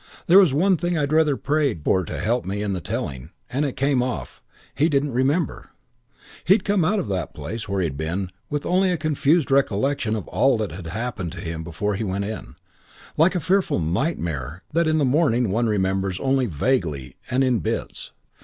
There was one thing I'd rather prayed for to help me in the telling, and it came off he didn't remember! He'd come out of that place where he had been with only a confused recollection of all that had happened to him before he went in. Like a fearful nightmare that in the morning one remembers only vaguely and in bits.